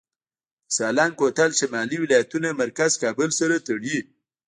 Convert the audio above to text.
د سالنګ کوتل شمالي ولایتونه مرکز کابل سره تړي